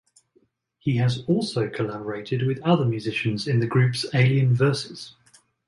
He has also collaborated with other musicians in the groups Alien vs.